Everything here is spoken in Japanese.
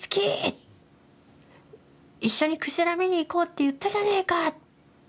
一緒にクジラ見に行こうって言ったじゃねえか！